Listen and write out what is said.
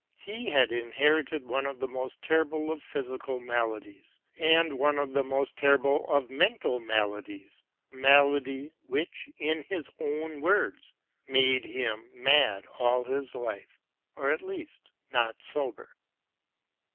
He had inherited one of the most terrible of physical maladies, and one of the most terrible of mental maladies, a malady which in his own words " made him mad aU his life, or at least not sober."